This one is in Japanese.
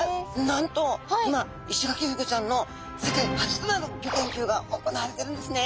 なんと今イシガキフグちゃんの世界初となるギョ研究が行われてるんですね。